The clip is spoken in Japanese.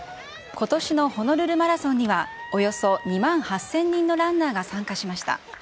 ことしのホノルルマラソンには、およそ２万８０００人のランナーが参加しました。